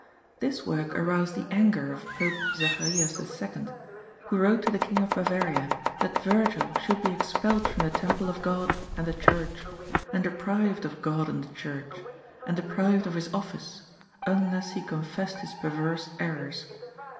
This work aroused the anger of Pope Zacharias II, who wrote to the King of Bavaria that Virgil should be expelled from the temple of God and the Church, and deprived of God and the Church, and deprived of his office, unless he confessed his perverse errors.